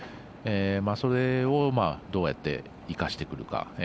それをどうやって生かしてくるか。